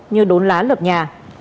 như đốn lá lập nhà